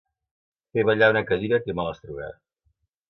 Fer ballar una cadira té mala astruga.